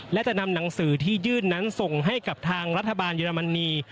และจะนำหนังสือที่ยื่นนั้นส่งให้กับทางรัฐบาลเยอรมนี